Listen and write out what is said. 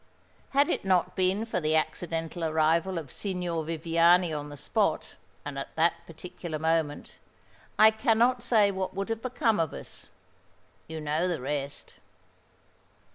Had it not been for the accidental arrival of Signor Viviani on the spot, and at that particular moment, I cannot say what would have become of us. You know the rest."